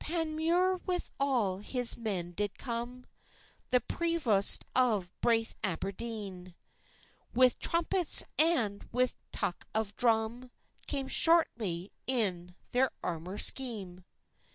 Panmuir with all his men, did cum, The provost of braif Aberdene, With trumpets and with tuick of drum, Came schortly in thair armour schene.